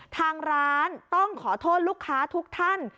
ทางร้านต้องขอโทษลูกค้าทุกท่าน